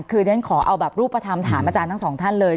คือเรียนขอเอาแบบรูปธรรมถามอาจารย์ทั้งสองท่านเลย